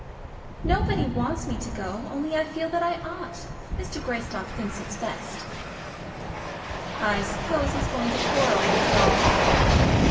"Nobody wants me to go, only I feel that I ought. Mr. Greystock thinks it best." "I suppose he's going to quarrel with us all."